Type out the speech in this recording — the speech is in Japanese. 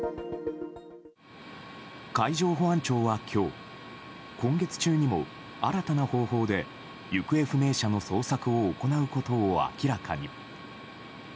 海上保安庁は今日、今月中にも新たな方法で行方不明者の捜索を行うことを明らかに。